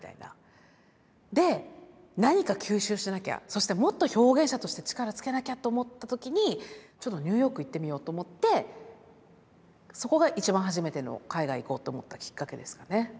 そしてもっと表現者として力つけなきゃと思った時にちょっとニューヨーク行ってみようと思ってそこが一番初めての海外行こうと思ったきっかけですかね。